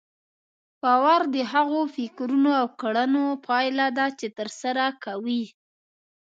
باور د هغو فکرونو او کړنو پايله ده چې ترسره کوئ.